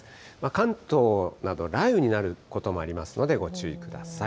関東など、雷雨になることもありますので、ご注意ください。